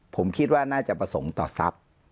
ผมคิดว่าน่าจะประสงค์ต่อทรัพย์